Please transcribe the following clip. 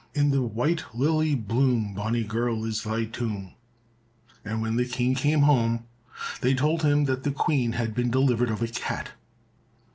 In the white lily bloom, Bonny girl, is thy tomb." And when the King came home they told him that the Queen had been delivered of a cat.